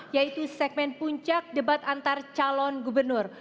yaitu segmen puncak debat antar calon gubernur